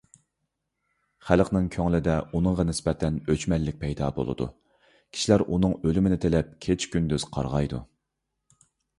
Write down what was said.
خەلقنىڭ كۆڭلىدە ئۇنىڭغا نىسبەتەن ئۆچمەنلىك پەيدا بولىدۇ. كىشىلەر ئۇنىڭ ئۆلۈمىنى تىلەپ كېچە - كۈندۈز قارغايدۇ.